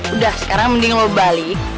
udah sekarang mending lo balik